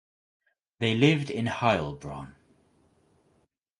They lived in Heilbronn.